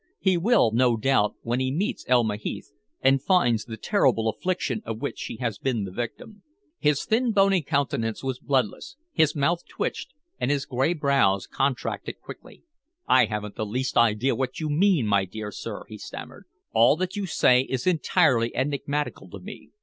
"He will, no doubt, when he meets Elma Heath, and finds the terrible affliction of which she has been the victim." His thin, bony countenance was bloodless, his mouth twitched and his gray brows contracted quickly. "I haven't the least idea what you mean, my dear sir," he stammered. "All that you say is entirely enigmatical to me.